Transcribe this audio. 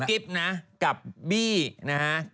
กิ๊บนะกับบี้นะฮะ